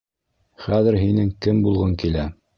Хәҙер һинең кем булғың килә?